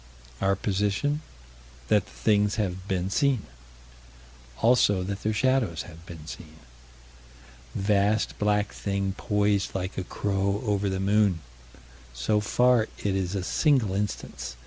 Our position: That the things have been seen: Also that their shadows have been seen. Vast black thing poised like a crow over the moon. So far it is a single instance.